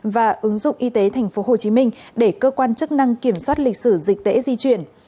và ứng dụng y tế thành phố hồ chí minh để cơ quan chức năng kiểm soát lịch sử dịch tễ di chuyển